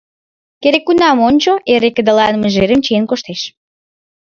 Керек-кунам ончо — эре кыдалан мыжерым чиен коштеш.